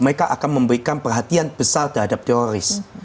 mereka akan memberikan perhatian besar terhadap teroris